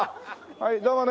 はいどうもね。